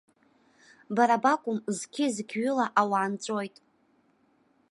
Бара бакәым, зқьы-зқьҩыла ауаа нҵәоит!